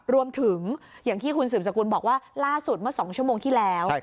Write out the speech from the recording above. รวมถึงอย่างที่คุณสืบสกุลบอกว่าล่าสุดเมื่อ๒ชั่วโมงที่แล้ว